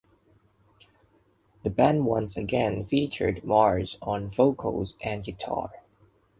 The band once again featured Marz on vocals and guitar.